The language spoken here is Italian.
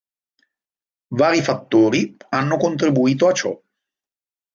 Vari fattori hanno contribuito a ciò.